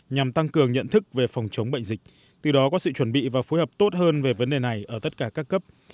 nhằm tăng cường nhận thức về phòng chống bệnh dịch từ đó có sự chuẩn bị và phối hợp tốt hơn về vấn đề này ở tất cả các cấp